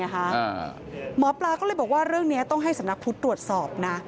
หมอปลาก็เลยบอกว่าเรื่องนี้ต้องให้สำนักพุทธตรวจสอบนะ